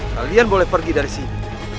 kalian boleh pergi dari sini